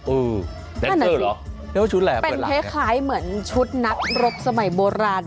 อือแดนเซอร์เหรอเรียกว่าชุดอะไรฮะเป็นเหมือนชุดนักรบสมัยโบราณ